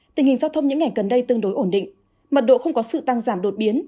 tình hình giao thông những ngày gần đây tương đối ổn định mật độ không có sự tăng giảm đột biến